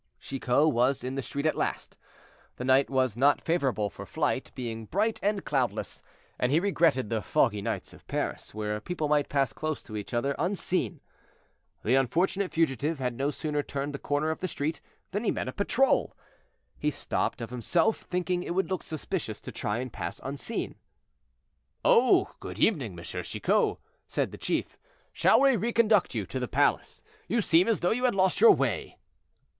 Chicot was in the street at last. The night was not favorable for flight, being bright and cloudless, and he regretted the foggy nights of Paris, where people might pass close to each other unseen. The unfortunate fugitive had no sooner turned the corner of the street than he met a patrol. He stopped of himself, thinking it would look suspicious to try and pass unseen. "Oh, good evening, M. Chicot!" said the chief; "shall we reconduct you to the palace? You seem as though you had lost your way."